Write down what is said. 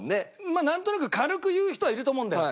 まあなんとなく軽く言う人はいると思うんだよ。